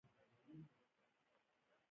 امان او بخشالۍ ستړي شوي ول.